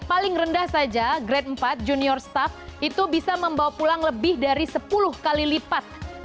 paling rendah saja grade empat junior staff itu bisa membawa pulang lebih dari sepuluh kali lipat